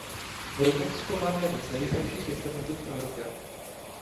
V Rumunsku máme jeden z nejrychlejších internetů v Evropě.